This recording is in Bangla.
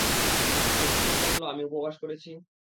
সে কি করে জানলো আমি উপবাস করেছি?